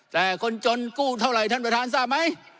แต่คนจนกู้เท่าไหร่ท่านประธานทราบไหม